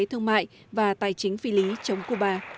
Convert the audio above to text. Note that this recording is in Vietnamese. thương mại và tài chính phi lý chống cuba